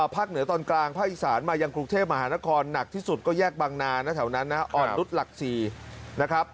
เหนือตอนกลางภาคอีสานมายังกรุงเทพมหานครหนักที่สุดก็แยกบางนานะแถวนั้นนะอ่อนนุษย์หลัก๔นะครับ